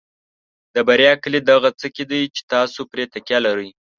د بریا کلید د هغه څه کې دی چې تاسو پرې تکیه لرئ.